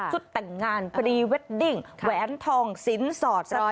สุดแต่งงานฟรีเวดดิ่งแหวนทองสินสอดสถานที่